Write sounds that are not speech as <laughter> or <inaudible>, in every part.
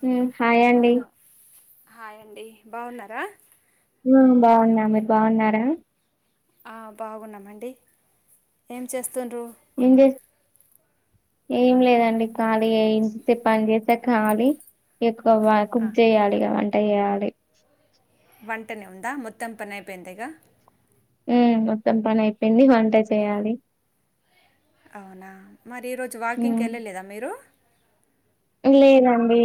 Whom hi అండి hello hi అండి బాగున్నారా ఊ బాగున్నా మీరు బాగున్నారా ఆ బాగున్నామండి ఏం చేస్తుండ్రు ఏం చే ఏం లేదండి ఖాళీయే ఇంటి పని జేస్తే ఖాళీ ఎక్ ఒవ్వా ఆ కుక్ జేయాలి ఇగ వంట ఏయాలి వంటనే ఉందా మొత్తం పని అయిపోయిందిగా ఊమ్ మొత్తం పని అయిపోయింది వంట చేయాలి అవునా మరి ఈరోజు వాకింగ్ కి ఉమ్ ఎళ్ళలేదా మీరు లేదండీ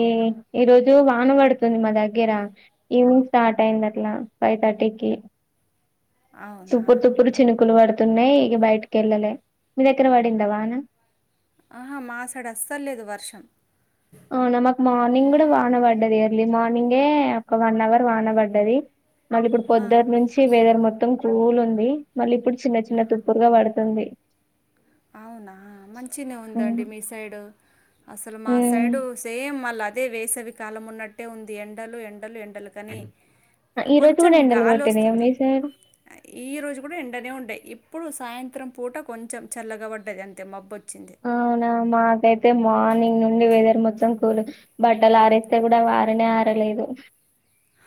ఈరోజు వాన వడుతుంది మా దగ్గర ఈవినింగ్ స్టార్ట్ అయింది అట్లా ఫైవ్ తట్టీకి అవునా సుపుర్ తుపురు చినుకులు వడు తున్నాయ్ ఇగ బయటకి ఎళ్ళలే మీ దగ్గర వడిందా వానా అహా మా సైడ్ అస్సల్ లేదు వర్షం అవునా మాక్ మార్నింగ్ గూడా వాన వడ్డదిగ ఎర్లీ మార్నింగే ఒక వన్ అవర్ వాన వడ్డది మలి ఇప్పుడు ఆ పొద్దట్నుంచి వెదర్ మొత్తం పూల్ ఉంది మళ్ళీ ఇప్పుడు చిన్న చిన్న తుప్పుడుగా వడుతుంది అవునా మంచినే ఉందండి మీ సైడు అసలు మా ఉమ్. సైడు సేమ్ మళ్ళ అదే వేసవి కాలం ఉన్నట్టే ఉంది ఎండలు ఎండలు ఎన్ డలు కానీ ఈ రోజు కొంచెం కూడా ఎండలు గాలి కొట్టినయా ఒస్తుంది మీ సైడ్ ఈ రోజు గుడా ఎండనే ఉండే ఇప్పుడు సాయన్ త్రం పూట కొంచెం చల్లగ వడ్డది అంతే మబ్బొ అవునా మాకైతే మార్నింగ్ నుండి వేదరు మొ సం కూలు బట్టలు ఆరేస్తే గుడంగ ఆరినయా ఆరలేదో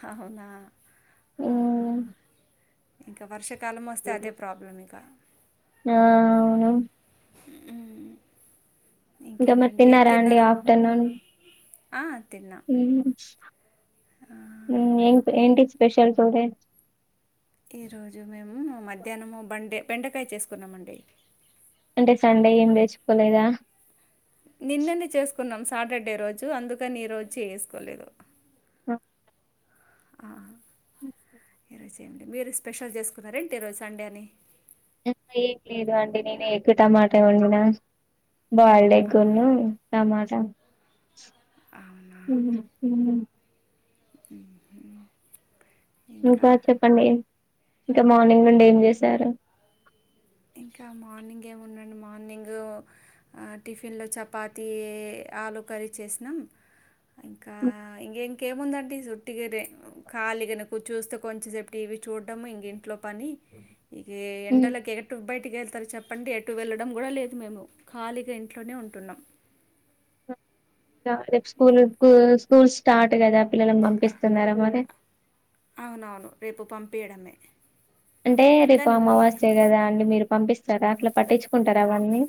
హ అవునా ఆహా ఉమ్. ఇంక వర్ష ఆ అవును ఆ ఇంకా మరి తిన్నారా అండి ఆఫ్టర్నూన్ ఆ! తిన్నా. ఉం ఎంటి స్పెషల్ టుడే ఈరోజు మేము మధ్యాహ్నము బండే బెండకాయ చేసుకున్నామండి అంటే సండే ఏం తెచ్చుకోలేదా నిన్ననే చేసుకున్నాం సాటర్డే రోజు అందుకనీ ఈ రోజు చేసుకోలేదు ఆ ఆ ఈ రోజు ఏంటి మీరు స్పెషల్ చేసుకున్నారేంటి ఈరోజు సండే అని ఏం లేదు అండి నేను ఎగ్గు టమాటా వండినా బాయిల్డ్ ఎగ్ ఆహా, ను టమాటా అవునా ఇంకా చెప్పండి ఇంకా మార్నింగ్ నుండి ఏం చేశారు ఇంకా మార్నింగ్ ఏముండండి మార్నింగ్ టిఫిన్లో ఆ చపాతీ ఆలుూ కర్రీ చేసినాం ఇంకా ఉమ్, ఇంకేం ఇంకేముందండి వుట్టి గనే ఖాళీగనే కూర్ చూస్తే కొంచంసేపు టీవీ చూడము ఇంక ఇంట్లో పని ఇగ ఎండల కే బయటికి వెళ్తారు చెప్పండి ఎటు వెళ్ళడం కూడా లేదు మేము ఖాళీగా ఇంట్లోనే ఉంటున్నాం రేపు స్కూల్ స్కూల్ స్టార్ట్ కదా పిల్లల పంపిస్తున్నారా మరి అవునవును రేపు పంపియడమే అంటే రేపు అమావాస్య కదా అండి మీరు పంపిస్త సరే అట్లో పట్టించుకుంటారా అవన్నీ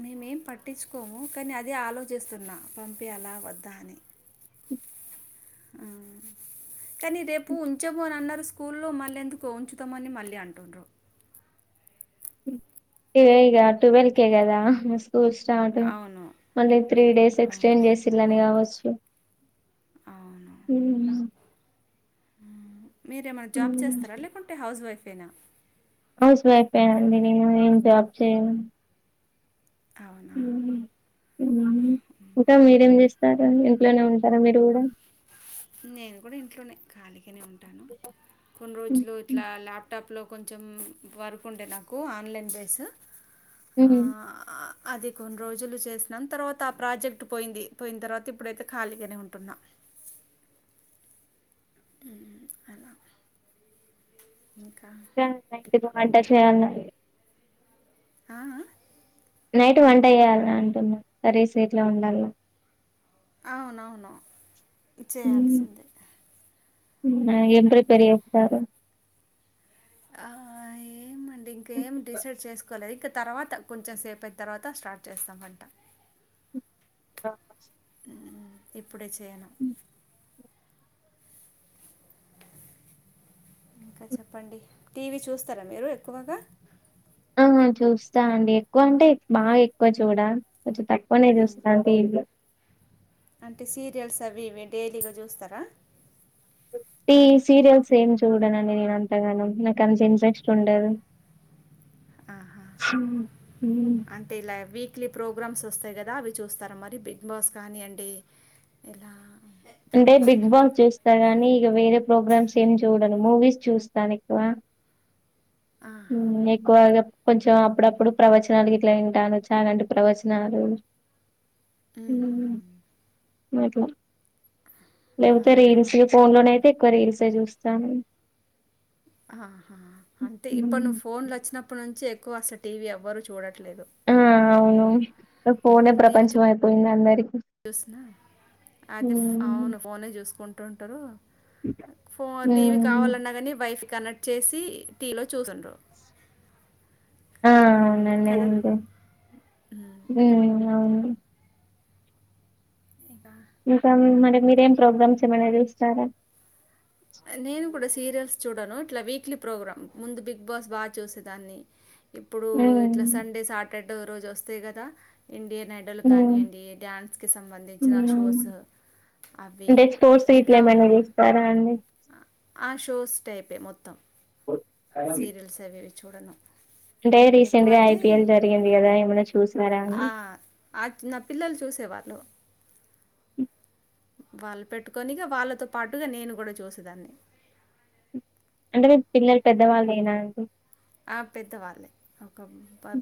మేమేం పట్టించుకోము కానీ అదే ఆలోచిస్తున్నా పంపియాలా వద్దా అని ఆ. కానీ రేపు ఉంచము అని అన్నారు స్కూల్లో మళ్ళెందుకు ఉంచుతామని మళ్ళీ అంటుండ్రు ఇదే ఇగ ట్వెల్కే గదా స్కూల్ స్టార్ట్ అవును మళ్ళీ త్రీ డేస్ అవును ఎక్స్టెండ్ చేసిళ్ళని కావచ్చు అవును ఉం మీరేమైనా జాబ్ ఉమ్. చేస్తారా లేకుంటే హౌస్ వైఫ్ యే నా హౌస్ వైఫే అండి నేను ఏం జాబ్ చేయను అవునా హు హమ్ ఇంకా మీరేం చేస్త ఇంట్లోనే ఉంటారా మీరు కూడా నేను కూడా ఇంట్లోనే ఖాళీగానే ఉంటాను కొన్ని రోజులు ఇట్లా ల్యాప్టాప్ లో కొంచెం వర్క్ ఉండే నాకు ఆన్లైన్ బేస్ ఆ, ఉం అది కొన్ని రోజులు చేసినాం తర్వాత ఆ ప్రాజెక్ట్ పోయింది పోయిన తర్వాత ఇప్పుడైతే ఖాళీగానే ఉంటున్నా అలా <inaudible> ఇంటి బ అంట చేయాలడి <unintelligible> ఆ ఆ నైట్ వంట చేయాల్నా అంటున్నా సరే సీట్లో ఉండాలి అవునవును చేయాల్సిందే ఎప్పురు పెరిస్తారు <unintelligible> ఆ ఏమండి ఇంకేమి డిసైడ్ చేసుకోలే తర్వాత కొంచెం సేపు అయిన తర్వాత స్టార్ట్ చేస్తా మట్ట ఆ <unintelligible> ఇప్పుడే చేయను ఇంకా చెప్పండి టీవీ చూస్తారా మీరు ఎక్కువగా ఆ చూస్తా అండి ఎక్కువ అంటే బాగా ఎక్కువ చూడ కొంచెం తక్కువనే చూస్తా చూస్తా టీవీ అంటే సీరియల్స్ అవి ఇవి డైలీగా చూస్తారా టీవీ సీరియల్స్ ఏం చూడనండి నేను అంతగానం నాకు అంత ఇంట్రెస్ట్ ఉండదు ఆహా ఉమ్ అంటే ఇలా వీక్లీ ప్రోగ్రామ్స్ వస్తాయి కదా అవి చూస్తారు మరి బిగ్ బాస్ కానీ అండి ఇలా అంటే బిగ్ బాస్ చూస్తా కానీ ఇక వేరే ప్రోగ్రామ్స్ ఏం చూడను మూవీస్ చూస్తాను ఎక్కువ ఉ ఎక్కువగా కొంచెం అప్పుడప్పుడు ప్రవచనాలు గిట్ల వింటాను చాగంటి ప్రవచనాలు ఉ హు అయిపో లేకపోతే అవునా? రియల్ సే ఫోన్ లోనే అయితే ఎక్కువ రియల్ సే చూస్తాను ఆహా అంటే ఇప్పుడు మ్మ్. నువ్వు ఫోన్లు వచ్చినప్పటి నుంచి ఎక్కువ అస్తలు టీవీ ఎవ్వరు చూడట్లే ఆ అవును ఫోనే అవునా? టీవీ ప్రపంచం అయిపోయింది అందరికి చూసిన అది మ్మ్. అవును ఫోనే చూసుకుంటుంటారు ఫోన్ టీవీ మ్మ్. కావాలన్నా కాని వైఫ్ కనెక్ట్ చేసి టీవీలో చూస్తుండు ఆ అవునండి ఉంది ఉమ్. ఊ అవును ఇంకా ఇంకా మరి మీరేం ప్రోగ్రామ్స్ ఏమైనా చూస్తారా నేను కూడా సీరియల్స్ చూడను ఇట్లా వీక్లీ ప్రోగ్రామ్ ముందు బిగ్ బాస్ బాగా చూసేదాన్ని ఇప్పుడు ఇట్లా మ్మ్. సండే సాటర్డే రోజు వస్తాయి కదా ఇండియన్ ఐడల్ కానీ మ్మ్. అండి డాన్స్ కి సంబంధించిన మ్మ్. షోస్ అవి అంటే స్పోర్ట్స్ గిట్ల ఇంకా ఏమైనా చేస్తారా ఆ షోస్ టైపే మొత్తం సీరియల్స్ అవేవి చూడను అంటే రీసెంట్ గా ఎక్కువయితే ఐపీఎల్ జరిగింది కదా ఏమైనా చూసారా అని ఆ నా పిల్లలు చూసే వాళ్ళలు ఉ వాళ్ళు పెట్టుకొని ఇగ వాళ్ళతో పాటుగా నేను కూడా చూసేదాన్ని అంటే మీ పిల్లలు పెద్దవాళ్ళు మీకు ఆ పెద్దవాళ్ళే ఒక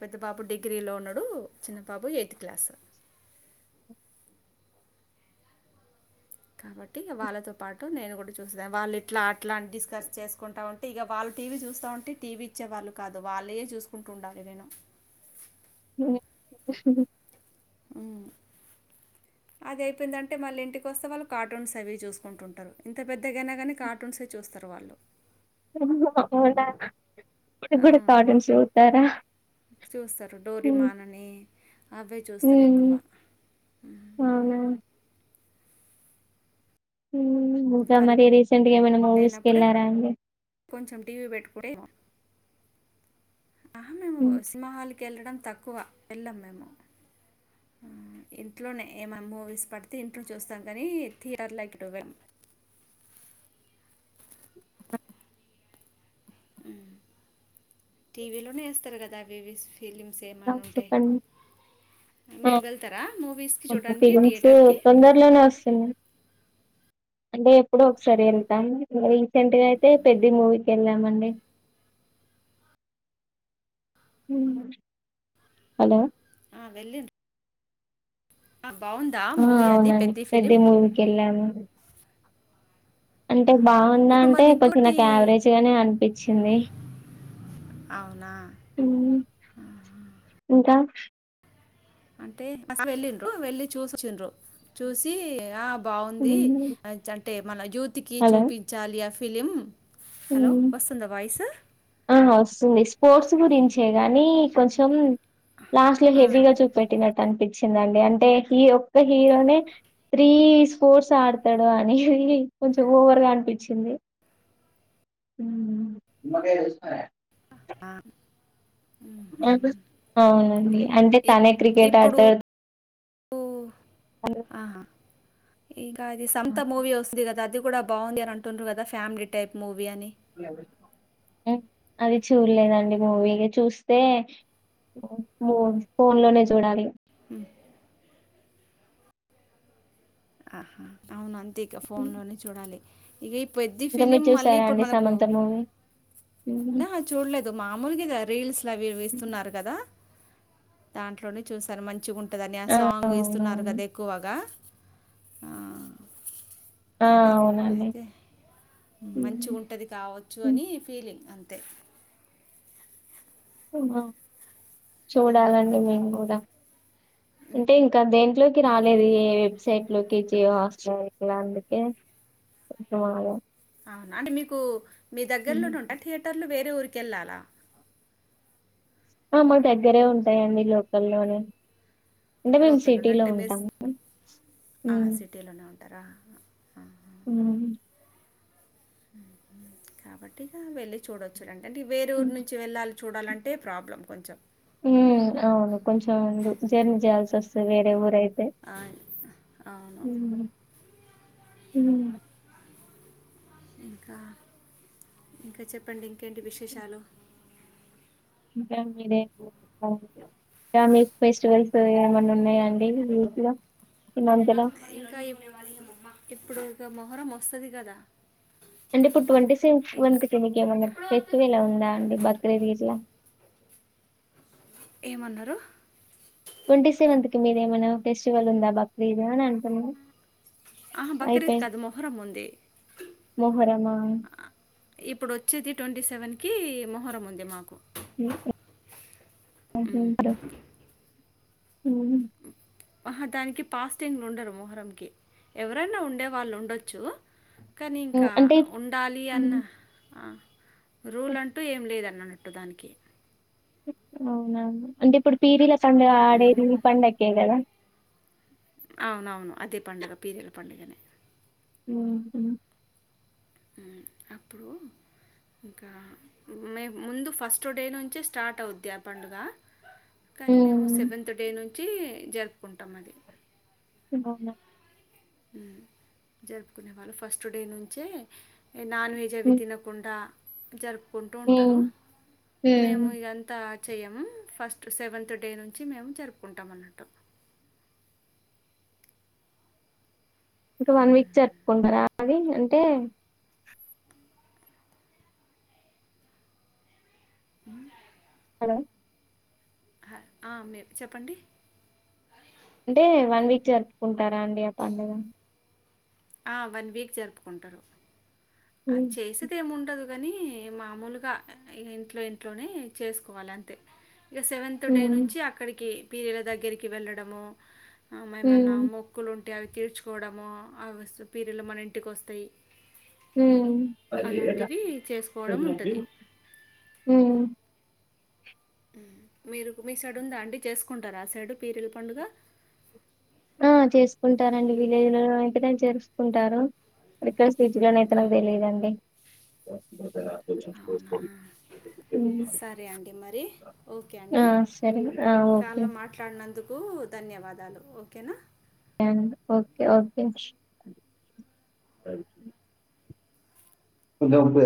పెద్ద బాబు డిగ్రీ డిగ్రీ లో ఉన్నాడు చిన్న బాబు ఎయిత్ క్లాస్ కాబట్టి వాళ్ళతో పాటు నేను కూడా చూసాను వాళ్ళు ఇట్లా అట్లా డిస్కస్ చేసుకుంటా ఉంటే ఇక వాళ్ళ టీవీ చూస్తా ఉంటే టీవీ ఇచ్చే వాళ్ళు కాదు వాళ్ళయే చూసుకుంటు ఉండాలి నీను ఉ ఉమ్. అది అయిపోయిందంటే మళ్ళీ ఇంటికి వస్తే వాళ్ళు కార్టూన్స్ అవి చూసుకుంటుంటారు ఇంత పెద్దగైన కానీ కార్టూన్స్ చూస్తారు చూస్తారు వాళ్లు అవునా ఇప్పటికీ కూడా ఆ. కార్టూన్స్ చూస్తారా చూస్తారు డోరేమాన్ అని అవే చూస్తారు ఎక్కువ ఉమ్ అవునా ఇకా వాళ్ళు మరి రీసెంట్గా ఏమైనా మూవీస్ కి వెళ్ళారా అండి మేము టీవి పెట్టుకుంటున్నాం ఆహా మేము హ్మ్. సినిమా హాల్ కి వెళ్ళడం తక్కువ వెళ్ళాం మేము ఆ, ఉ ఇంట్లోనే ఏమైనా మూవీస్ పడితే ఇంట్లో చూస్తాం కానీ థియేటర్లో ఎప్పుడు వెళ్దాం అవునా ఉ టీవీలోనే ఎస్తారు కదా అవివి ఫిలిమ్స్ ఏమన్నా ఉంటాయి మీరు వెళ్తారా మూవీస్కి చూడడానికి గంచి థియేటర్కి తొందరలోనే వస్తుంది అంటే ఎప్పుడో ఒకసారి వెళ్తాం రీసెంట్గా అయితే పెద్ది మూవీ వెళ్ళామండి హలో ఆ వెళ్ళిం ఆ మూవీ అది అవునండి పెద్ద ఫిలిం పెద్ది మూవీకి వెళ్ళాము అంటే ఆహా. బాగుందా ఇప్పుడు అంటే మళ్ళీ కొంచం ఇంకోటి నాకు యావరేజ్గానే అనిపించింది అవునా హ్మ్. ఇంకా అంటే ఫస్ట్ వెళ్ళండ్రు వెళ్లి చూసోచిండ్రు చూసి ఆ బాగుంది హ్మ్. అంటే మన యూత్కి హలో చూపించాలి అ ఫిలిం హలో వస్తుందా వాయిస్ ఆ వస్తుంది స్పోర్ట్స్ గురించే గాని కొంచెం లాస్ట్ లో ఆ. హెవీగా చూపెట్టినట్టు అనిపించిందండి అంటే ఈ ఒక్క హీరోనే త్రీ స్పోర్ట్స్ ఆడతాడు అని ది కొంచెం ఓవర్ గా అనిపించింది ఊ ఆ అవునండి అంటే తనే క్రికెట్ ఆడతాడు ఉ తను ఆహా ఇగ అది సమ్త మూవీ వస్తుంది కదా అది కూడా బాగుంది అని అంటున్రు కదా ఫ్యామిలీ టైప్ మూవీ అని అది చూడలేదండి మూవీ ఇగ చూస్తే మూ ఫోన్ లోనే చూడాలి అహ అవును అంతే ఇక ఫోన్ లోనే చూడాలి ఇగ ఈ పెద్ది ఇంకా మీరు ఫిలిం మళ్ళీ చూసారా ఇప్పుడు అండి మనకు సమంత మూవీ నా చూడలేదు మామూలుగా ఇగ రీల్స్ అవి ఇస్తున్నారు కదా దాంట్లోనే చూసాను మంచిగా ఉం ఉంటదని ఆ సాంగ్ ఇస్తున్నారు కదా ఎక్కువగా ఆ అదే అవునండి అయితే మంచి హ్మ్. గుంటది కావచ్చు హ్మ్. అని ఫీలింగ్ తే ఆ చూడాలండి మేము కూడా అంటే ఇంకా దేంట్లోకి రాలేదు ఏ వెబ్ సైట్ లోకి జియో హాట్స్టార్ లాంటికి అవునా అంటే మీకు మీ దగ్గర్లో హ్మ్. నే ఉంట థియేటర్లు వే వేరే ఉర్కేల్లల ఆ మా దగ్గరే ఉంటాయండి లోకల్లోనే అంటే మేము లోకల్లో సిటీలో అంటే మేస్ ఉంటాము ఆ సిటీలోనే ఉంటారా అ ఉమ్ కాబట్టిగా వెళ్ళి చూడొచ్చుడు అంటే వేరే ఊరు హ్మ్. నుంచి వెళ్ళాలి చూడాలంటే ప్రాబ్లం కొంచం ఉ అవును కొంచెం జర్నీ చేయాల్సి వస్తది వేరే ఊర అయి అవును ఊ ఇంకా ఇంకా చెప్పండి ఇంకేంటి విశేషాలు ఇంకా <unintelligible> ఫ్యామిలీ ఫెస్టివల్స్ ఏమన్నా ఉన్నాయాండి ఈ వీక్లో ఇంకా ఇప్పు ఇప్పుడు ఇక మొహరం వస్తది కదా అంటే ఇప్పుడు ట్వంటీ సె ఇక ట్వంటీ కేమన్న ఎప్పుడు వస్తాయి ఫెస్టివల్ ఉందా అండి బక్రీద్ గిట్ల ఏమన్నారు ట్వంటీ సెవెంత్ కి మీదేమైనా ఫెస్టివల్ ఉందా బక్రీదు అని అంటున్నా ఆహా, అయితే బక్రీద్ కాదు మొహరం ఉంది మోహరమా ఇప్పుడు వచ్చేది ట్వంటీ సెవెంత్ కి మొహరం ఉంది మాకు ఉహు ఉమ్ ఉమ్ ఆహా దానికి ఫాస్టింగ్ ఉండరు మొహరంకి ఎవరైనా ఉండే వాళ్ళు ఉండొచ్చు కానీ ఇంకా అంటే ఉండాలి అన్న ఉమ్, ఆ రూల్ అంటూ ఏం లేదనన్నట్టు దానికి అవునవును అంటే ఇప్పుడు పీరీల పండుగ ఉమ్. ఆడేది ఈ పండక్కే కదా అవునవును అదే పండుగ పీరీల పండుగనే ఉహు మ్మ్ అప్పుడూ ఇంకా మే ముందు ఫస్ట్ డే నుంచే స్టార్ట్ అవుద్ది ఆ పండుగ కానీ మేము ఉమ్, సెవెంత్ డే నుంచి జరుపుకుంటాం అది అవును జరుపుకునే వాళ్ళు ఫస్ట్ డే నుంచే నాన్ వెజ్ అవి ఉమ్ తినకుండా జర్పు కొంటూ ఉంటారు ఉమ్ మేము ఉమ్. ఇదంత చేయము ఫస్ట్ సెవెంత్ డే నుంచి మేము జరుపుకుంటాం అన్నట్టు ఇంక వన్ వీక్ జప్పుకుంటారు అది అంటే అ ఎక్కడ ఆ మీర్ చెప్పండి అంటే వన్ వీక్ జరుపుకుంటారా అండి ఆ పండుగ ఆ వన్ వీక్ జరుపుకుంటారు అ హ్మ్. చేసేదేమి ఉండదు కాని మామలుగా ఇంట్లో ఇంట్లోనే చేసుకోవాలి అంతే ఇక సెవెంత్ డే హ్మ్. నుంచి అక్కడికి పీర్ల దగ్గరికి వెళ్ళడము అ మ ఏమన్నా హ్మ్. మొక్కులు అంటే అవి తీర్చుకోవడము అవి పీరులు మన ఇంటికి వస్తాయి ఉమ్ చేసుకోవడం ఉంటది. ఉమ్ మీరు మీ సైడ్ ఉందా అండి చేసుకుంటారా ఆ సైడు పీరిల పండుగ ఆ చేసుకుంటారండి విలేజ్ లో ఎక్కడైనా చేసుకుంటారు ఇక ఫీజగానయితే నాకు తెలిదండి అవునా? సరే అండి మరి ఓకే ఆ! అండి సరే. ఆ! ఓకే. కాల్లో మాట్లాడినందుకు కూ ధన్యవాదాలు ఓకేనా ఓకే ఓకే అద